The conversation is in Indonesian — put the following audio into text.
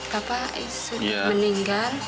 bapak sudah meninggal